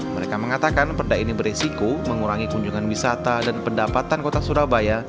mereka mengatakan perda ini beresiko mengurangi kunjungan wisata dan pendapatan kota surabaya